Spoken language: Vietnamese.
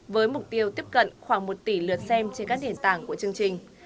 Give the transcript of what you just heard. với mục tiêu tiếp cận khoảng một tỷ lượt xem trên các nền tảng của chương trình